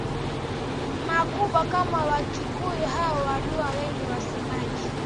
makubwa kama Wakikuyu au Waluo wenye wasemaji